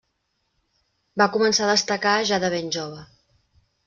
Va començar a destacar ja de ben jove.